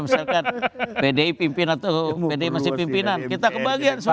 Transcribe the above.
misalkan pdi pimpin atau pdi masih pimpinan kita kebahagiaan semua